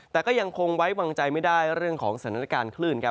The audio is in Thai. แต่ก็ยังคงไว้วางใจไม่ได้เรื่องของสถานการณ์คลื่นครับ